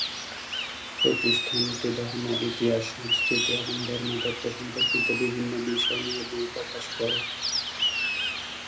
প্রতিষ্ঠানটি ধর্ম, ইতিহাস, সংস্কৃতি এবং ধর্মতত্ত্ব সম্পর্কিত বিভিন্ন বিষয় নিয়ে বই প্রকাশ করে।